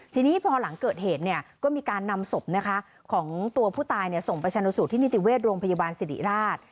ทีนี้พอหลังเกิดเหตุก็มีการนำศพของตัวผู้ตายส่งไปชนสูตรที่นิติเวชโรงพยาบาลสิริราช